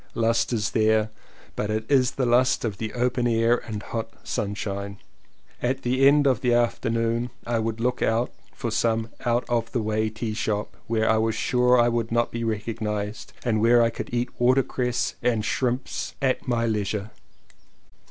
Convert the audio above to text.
Lust is there but it is the Lust of the open air and hot sunshine. At the end of the afternoon I would look out for some out of the way teashop where I was sure not to be recognized and where I could eat watercress and shrimps at my leisure.